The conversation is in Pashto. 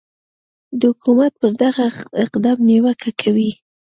د حکومت پر دغه اقدام نیوکه کوي